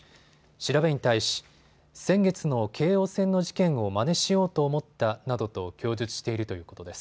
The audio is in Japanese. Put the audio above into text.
調べに対し、先月の京王線の事件をまねしようと思ったなどと供述しているということです。